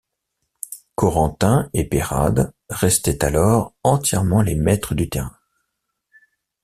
Corentin et Peyrade restaient alors entièrement les maîtres du terrain.